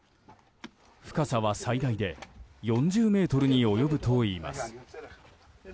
深さは最大で４０ｍに及ぶといいます。